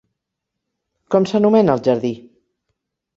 Com s'anomena el jardí?